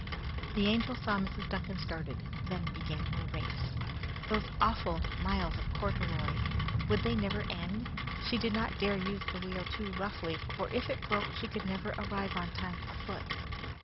The Angel saw Mrs. Duncan started; then began her race. Those awful miles of corduroy! Would they never end? She did not dare use the wheel too roughly, for if it broke she never could arrive on time afoot.